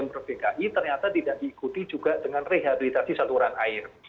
yang diberi pki ternyata tidak diikuti juga dengan rehabilitasi saluran air